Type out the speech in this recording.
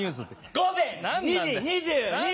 午前２時２２分！